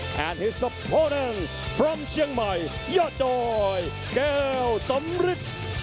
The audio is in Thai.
และนักชกจากจังหวัดเชียงใหม่ยอดดอยแก้วสำฤิษฐ์